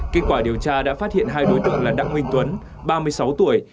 kết quả điều tra đã phát hiện hai đối tượng là đăng nguyên tuấn ba mươi sáu tuổi